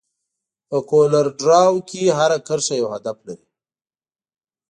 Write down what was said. په کولر ډراو کې هره کرښه یو هدف لري.